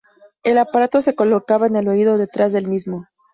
El aparato se colocaba en el oído o detrás del mismo.